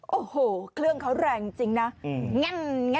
โอ้โหเครื่องเขาแรงจริงนะ